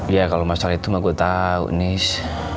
iya kalau masalah itu mah gue tau nis